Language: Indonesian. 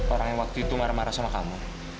orang yang waktu itu marah marah sama kamu